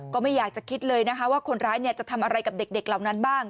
ก็ไม่อยากจะคิดเลยนะคะว่าคนร้ายจะทำอะไรกับเด็กเหล่านั้นบ้าง